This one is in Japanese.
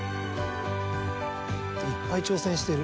いっぱい挑戦してる。